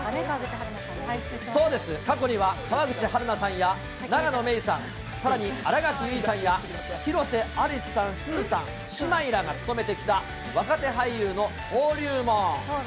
そうです、過去には川口春奈さんや、永野芽郁さん、さらに新垣結衣さんや広瀬アリスさん、すずさん姉妹らが務めてきた若手俳優の登竜門。